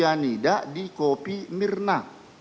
sianida di kopi mirna